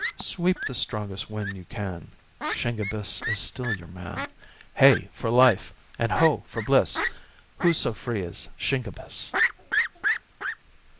" Sweep the strongest wind you can, Shingebiss is still your man. Hey! for life, and Ho! for bliss, Who so free as Shingebiss?"